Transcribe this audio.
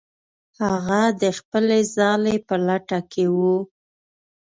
هغه د خپلې ځالې په لټه کې و.